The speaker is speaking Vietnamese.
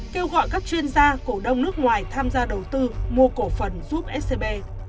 kêu gọi các chuyên gia cổ đông nước ngoài tham gia đầu tư mua cổ phần giúp scb